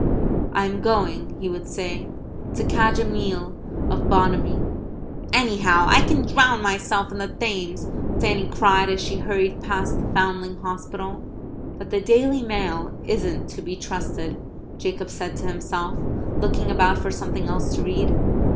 "I am going," he would say, "to cadge a meal of Bonamy." "Anyhow, I can drown myself in the Thames," Fanny cried, as she hurried past the Foundling Hospital. "But the Daily Mail isn't to be trusted," Jacob said to himself, looking about for something else to read.